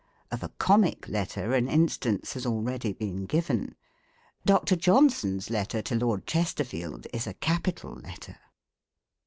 Of a comic letter an instance has already been given. Dr. Johnson's letter to Lord Chesterfield is a capital letter.